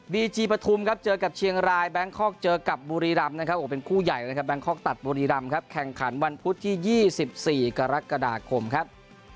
ีจีปฐุมครับเจอกับเชียงรายแบงคอกเจอกับบุรีรำนะครับโอ้เป็นคู่ใหญ่นะครับแบงคอกตัดบุรีรำครับแข่งขันวันพุธที่๒๔กรกฎาคมครับ